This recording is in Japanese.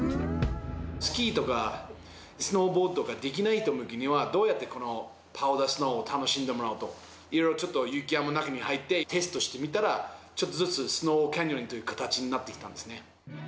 スキーとかスノーボードとかできない人向けには、どうやってこのパウダースノーを楽しんでもらおうと、いろいろちょっと、雪山の中に入って、テストしてみたら、ちょっとずつスノーキャニオンという形になってきたんですね。